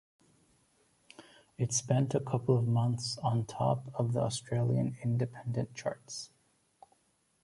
It spent a couple of months on top of the Australian Independent charts.